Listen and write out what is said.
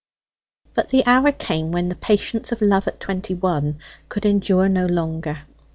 But the hour came when the patience of love at twenty one could endure no longer.